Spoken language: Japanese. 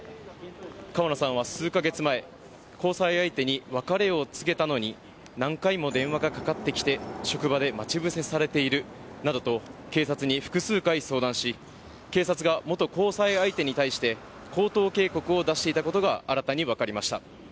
川野さんは数か月前交際相手に別れを告げたのに何回も電話がかかってきて職場で待ち伏せされているなどと警察に複数回相談し警察が元交際相手に対して口頭警告を出していたことが新たに分かりました。